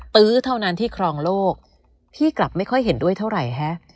ตื้อเท่านั้นที่ครองโลกพี่กลับไม่ค่อยเห็นด้วยเท่าไหร่ฮะ